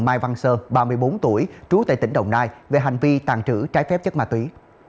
mai văn sơ ba mươi bốn tuổi trú tại tỉnh đồng nai về hành vi tàn trữ trái phép chất ma túy